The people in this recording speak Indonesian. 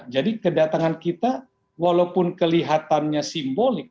jadi kedatangan kita walaupun kelihatannya simbolik